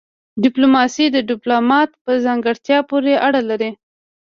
ډيپلوماسي د ډيپلومات په ځانګړتيا پوري اړه لري.